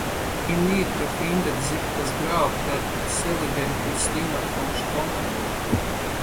In ihr befindet sich das Grab der seligen Christina von Stommeln.